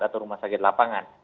atau rumah sakit lapangan